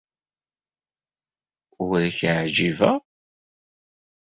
Ur ak-ɛjibeɣ.